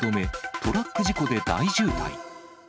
トラック事故で大渋滞。